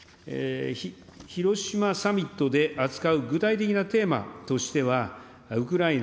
広島サミットで扱う具体的なテーマとしては、ウクライナ、